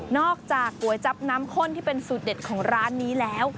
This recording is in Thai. จากก๋วยจับน้ำข้นที่เป็นสูตรเด็ดของร้านนี้แล้ว